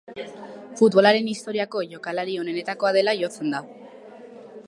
Futbolaren historiako jokalari onenetakoa dela jotzen da.